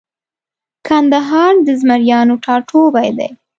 کندهار د زمریانو ټاټوبۍ دی